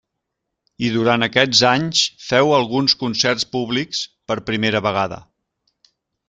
I durant aquests anys féu alguns concerts públics per primera vegada.